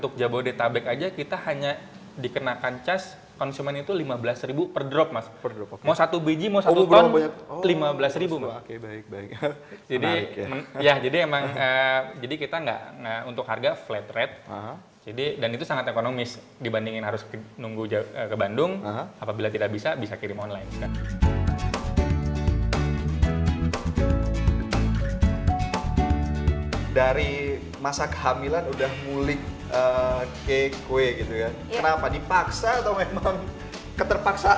keterpaksaan biar suaminya deket